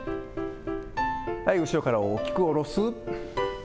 後ろから大きく下ろす。